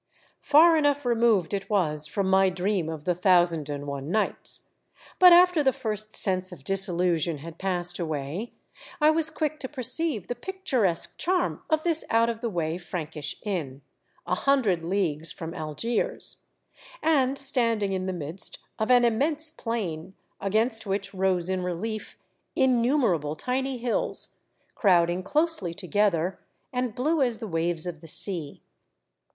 Far enough removed it was from my dream of the Thousand and One Nights, but after the first sense of disillusion had passed away, I was quick The Caravansary, 139 to perceive the picturesque charm of this out of the way Prankish inn, a hundred leagues from Algiers, and standing in the midst of an immense plain, against which rose in relief innumerable tiny hills, crowding closely together, and blue as the waves of the sea.